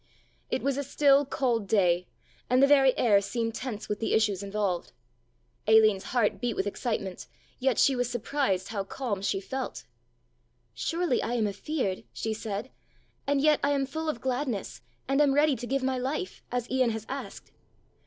It was a still cold day and the very air seemed tense with the issues involved. Aline's heart beat with excitement, yet she was surprised how calm she felt. "Surely I am afeared," she said, "and yet I am full of gladness and am ready to give my life, as Ian has asked."